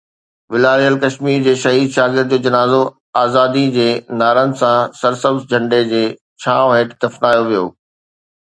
والاريل ڪشمير جي شهيد شاگرد جو جنازو آزادي جي نعرن سان سرسبز جهنڊي جي ڇانو هيٺ دفنايو ويو.